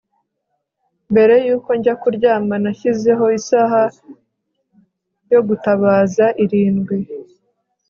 mbere yuko njya kuryama, nashyizeho isaha yo gutabaza irindwi